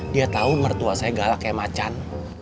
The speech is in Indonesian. dia tahu mertua saya galak kayak macan